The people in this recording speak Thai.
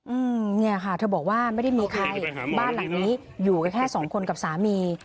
อืมเนี่ยค่ะเธอบอกว่าไม่ได้มีใครครับบ้านหลังนี้อยู่กันแค่สองคนกับสามี